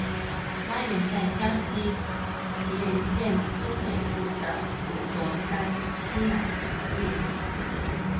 发源在江西省婺源县东北部的五龙山西南麓。